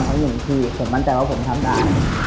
เพราะอย่างที่ผมมั่นใจว่าผมทำได้